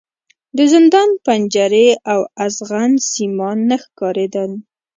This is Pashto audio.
د زندان پنجرې او ازغن سیمان نه ښکارېدل.